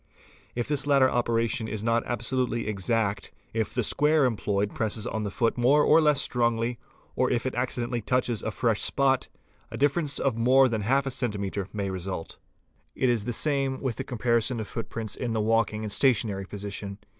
— If this latter operation is not absolutely exact, if the square employed presses on the foot more or less strongly, or if it accidentally touches | fresh spot, a difference of more than a half centimetre may result. ; It is the same with the comparison of footprints in the walking — and the stationary position.